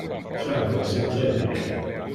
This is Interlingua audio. Franco es intrepide.